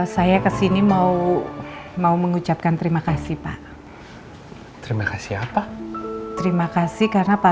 saya kesini mau mau mengucapkan terima kasih pak terima kasih apa terima kasih karena pak